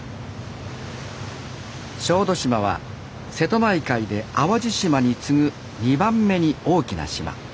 小豆島は瀬戸内海で淡路島に次ぐ２番目に大きな島。